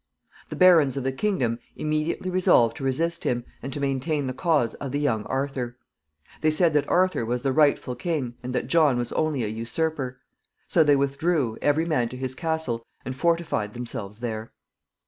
The barons of the kingdom immediately resolved to resist him, and to maintain the cause of the young Arthur. They said that Arthur was the rightful king, and that John was only a usurper; so they withdrew, every man to his castle, and fortified themselves there.